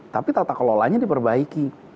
tapi tata kelolanya diperbaiki